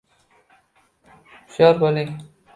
Hushyor bo’ling!